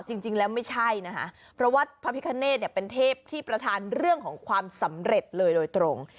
จริงแล้วไม่ใช่นะคะเพราะว่าพระพิคเนธเป็นเทพที่ประธานเรื่องของความสำเร็จเลยโดยตรง